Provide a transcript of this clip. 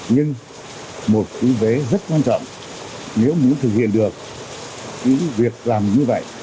nhưng một cái vế rất quan trọng nếu muốn thực hiện được cái việc làm như vậy